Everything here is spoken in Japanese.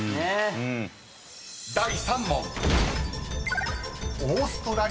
［第３問］